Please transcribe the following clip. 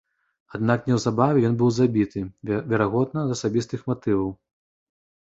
Аднак неўзабаве ён быў забіты, верагодна, з асабістых матываў.